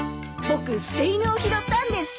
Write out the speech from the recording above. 僕捨て犬を拾ったんです。